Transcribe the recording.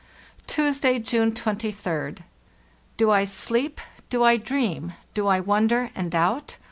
" Tuesday, June 23d. "*Do I sleep? Do I dream? Do | wonder and doubt?